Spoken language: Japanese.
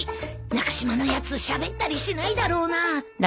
中島のやつしゃべったりしないだろうな。